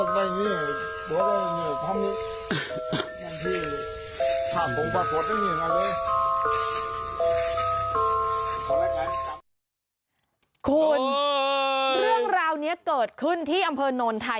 คุณเรื่องราวนี้เกิดขึ้นที่อำเภอโนนไทย